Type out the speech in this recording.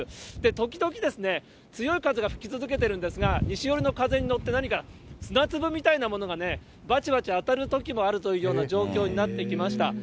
時々ですね、強い風が吹き続けてるんですが、西寄りの風に乗って、何か、砂粒みたいなものがばちばち当たるときもあるというような状況になってきました。